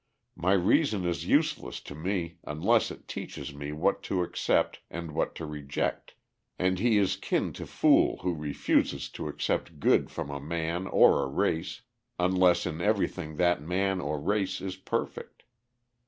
My reason is useless to me unless it teaches me what to accept and what to reject, and he is kin to fool who refuses to accept good from a man or a race unless in everything that man or race is perfect.